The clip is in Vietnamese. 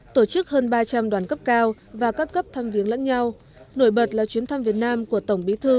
tổ chức hơn ba trăm linh đoàn cấp cao và các cấp thăm viếng lẫn nhau nổi bật là chuyến thăm việt nam của tổng bí thư